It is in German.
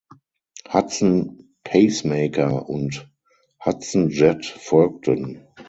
Hudson Pacemaker und Hudson Jet folgten.